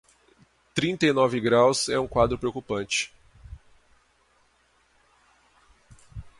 Trinta e nove graus, é um quadro preocupante.